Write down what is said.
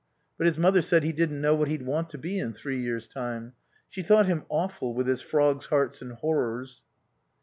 But his mother said he didn't know what he'd want to be in three years' time. She thought him awful, with his frogs' hearts and horrors.